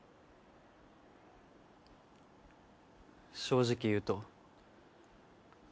正直言うと。